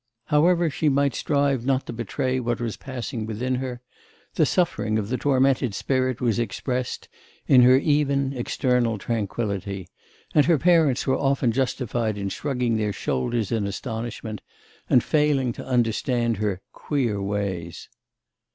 However she might strive not to betray what was passing within her, the suffering of the tormented spirit was expressed in her even external tranquillity, and her parents were often justified in shrugging their shoulders in astonishment, and failing to understand her 'queer ways.